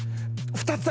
２つ。